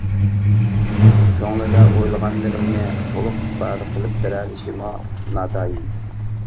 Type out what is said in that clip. كۆڭلىدە ئويلىغانلىرىنى تۇلۇق ئىپادە قىلىپ بېرەلىشىمۇ ناتايىن.